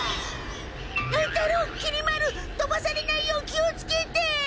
乱太郎きり丸とばされないよう気をつけて！